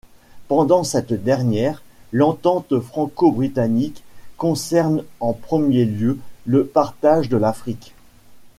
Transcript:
Pendant cette dernière, l'entente franco-britannique concerne en premier lieu le partage de l'Afrique.